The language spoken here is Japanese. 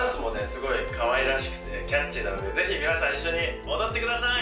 すごいかわいらしくてキャッチーなのでぜひ皆さん一緒に踊ってください！